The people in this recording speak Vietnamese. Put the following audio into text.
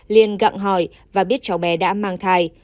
liên gặng hỏi và biết cháu bé đã mang thai